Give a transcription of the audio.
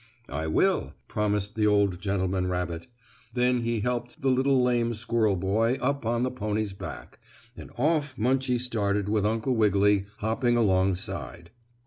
"I will," promised the old gentleman rabbit. Then he helped the little lame squirrel boy up on the pony's back, and off Munchie started with Uncle Wiggily hopping alongside.